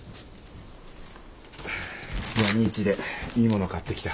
闇市でいいもの買ってきた。